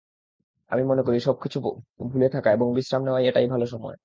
আমি মনে করি, সবকিছু ভুলে থাকা এবং বিশ্রাম নেওয়ার এটাই ভালো সময়।